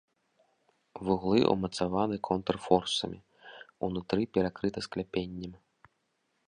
Вуглы ўмацаваны контрфорсамі, унутры перакрыта скляпеннем.